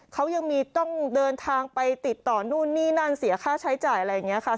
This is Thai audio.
เขายังมีต้องเดินทางไปติดต่อนู่นนี่นั่นเสียค่าใช้จ่ายอะไรอย่างนี้ค่ะ